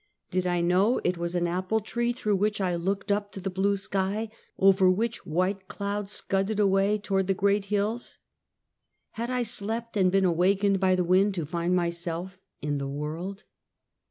Did I know it was an apple tree through which I looked np to the bine sky, over which white clouds scudded away toward the great hills? Had I slept and been awakened by the wind to find myself in the world?